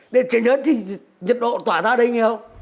điện ké lớn thì nhiệt độ tỏa ra đây nhiều